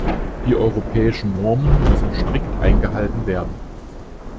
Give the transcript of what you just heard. Die europäischen Normen müssen strikt eingehalten werden.